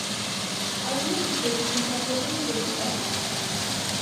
Algunas especies son patógenos vegetales.